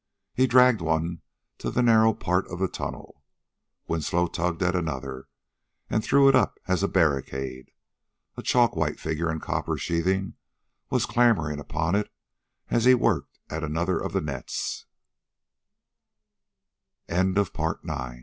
He dragged one to the narrow part of the tunnel. Winslow tugged at another and threw it up as a barricade. A chalk white figure in copper sheathing was clambering upon it as he worked at another of the